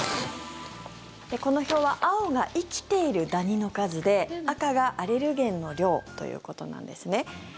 この表は青が生きているダニの数で赤がアレルゲンの量ということなんですね。